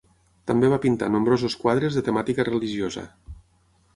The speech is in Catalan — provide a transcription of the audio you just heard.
També va pintar nombrosos quadres de temàtica religiosa.